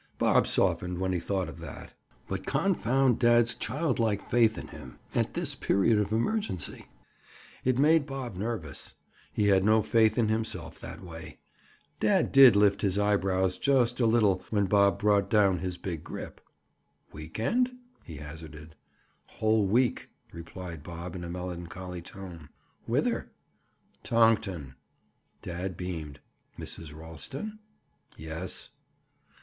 Bob softened when he thought of that. But confound dad's childlike faith in him, at this period of emergency. It made Bob nervous. He had no faith in himself that way. Dad did lift his eyebrows just a little when Bob brought down his big grip. "Week end?" he hazarded. "Whole week," replied Bob in a melancholy tone. "Whither?" "Tonkton." Dad beamed. "Mrs. Ralston?" "Yes."